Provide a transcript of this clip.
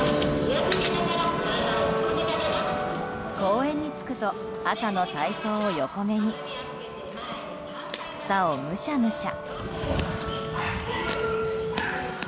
公園に着くと朝の体操を横目に草をむしゃむしゃ。